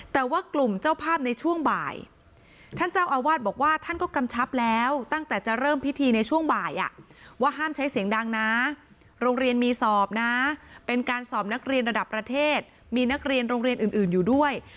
แต่ว่ากลุ่มเจ้าภาพในช่วงบ่ายท่านเจ้าอาวาสบอกว่าท่านก็กำชับแล้วตั้งแต่จะเริ่มพิธีในช่วงบ่ายว่าห้ามใช้เสียงดังนะโรงเรียนมีสอบนะเป็นการสอบนักเรียนระดับประเทศมีนักเรียนโรงเรียนอื่นอยู่ด้วย